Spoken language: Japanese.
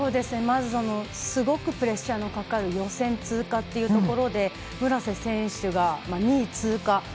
まずすごくプレッシャーのかかる予選通過というところで村瀬選手が２位通過。